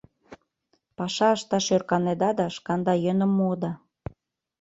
Паша ышташ ӧрканеда да шканда йӧным муыда.